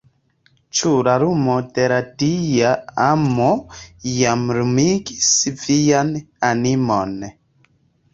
Ĉu la lumo de la Dia amo jam lumigis vian animon?